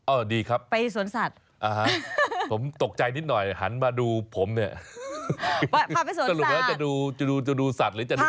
อ่าดีครับผมตกใจนิดหน่อยหันมาดูผมเนี่ยสรุปแล้วจะดูสัตว์ละนี่จะดูผม